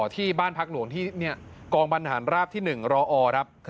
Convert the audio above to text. ที่บ้านพักหลวงที่กองบรรหารราบที่๑รอครับ